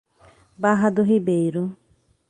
Barra do Ribeiro